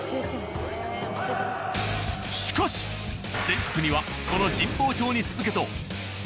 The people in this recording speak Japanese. しかし全国にはこの神保町に続けと。